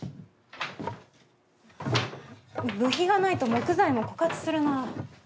部費がないと木材も枯渇するな。